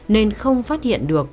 nên không phát hiện được